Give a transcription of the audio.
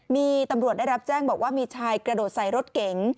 มีตำรวจได้รับแจ้งบอกว่ามีชายกระโดดใส่รถเก๋ง